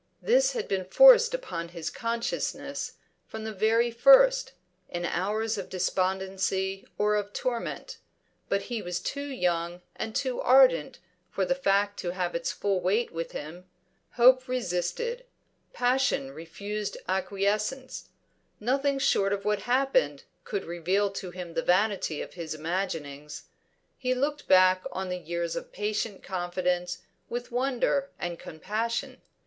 This had been forced upon his consciousness from the very first, in hours of despondency or of torment; but he was too young and too ardent for the fact to have its full weight with him. Hope resisted; passion refused acquiescence. Nothing short of what had happened could reveal to him the vanity of his imaginings. He looked back on the years of patient confidence with wonder and compassion.